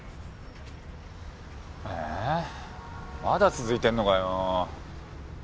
まだ続いてんのかよ。